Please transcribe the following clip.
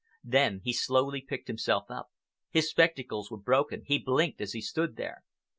Then he slowly picked himself up. His spectacles were broken—he blinked as he stood there.